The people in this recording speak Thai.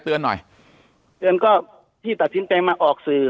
หน่อยเตือนก็ที่ตัดสินใจมาออกสื่อ